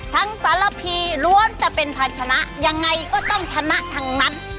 สารพีล้วนแต่เป็นภาชนะยังไงก็ต้องชนะทั้งนั้น